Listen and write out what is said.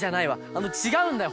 あのちがうんだよ。